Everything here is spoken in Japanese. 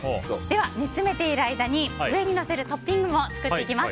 煮詰めている間に上に乗せるトッピングを作ります。